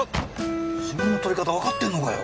指紋の採り方わかってんのかよ。